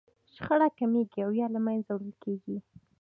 شخړه کمیږي او يا له منځه وړل کېږي.